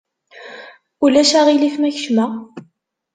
Ulac aɣilif ma kecmeɣ?